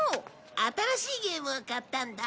新しいゲームを買ったんだ。